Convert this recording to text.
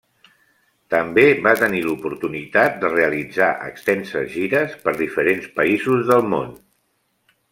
També va tenir l'oportunitat de realitzar extenses gires per diferents països del món.